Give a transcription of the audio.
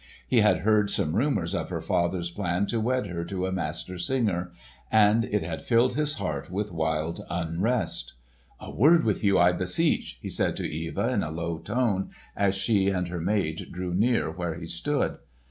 He had heard some rumours of her father's plan to wed her to a Master Singer and it had filled his heart with wild unrest. "A word with you, I beseech," he said to Eva in a low tone as she and her maid drew near where he stood.